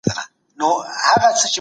تك سپين زړګي ته دي پوښ تور جوړ كړی